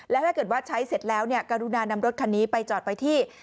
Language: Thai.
และถ้าเกิดว่าใช้เสร็จแล้วกรุณานำรถคันนี้ไปจอดไว้ที่